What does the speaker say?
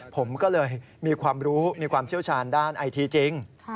ผมก็เลยมีความรู้มีความเชี่ยวชาญด้านไอทีจริง